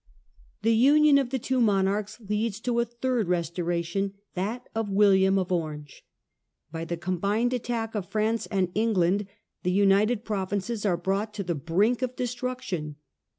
The union of the two monarchs leads to a third restoration, that of William of Orange. By the com bined attack of France and England, the United Pro vinces are brought to the brink of destruction.